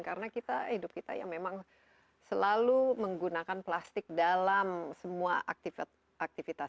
karena hidup kita memang selalu menggunakan plastik dalam semua aktivitas